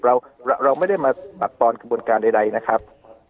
เราเราไม่ได้มาปักปอนกระบวนการใดนะครับ